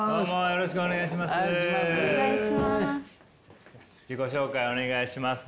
よろしくお願いします。